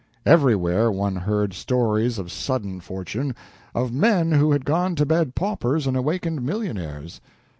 Everywhere one heard stories of sudden fortune of men who had gone to bed paupers and awakened millionaires.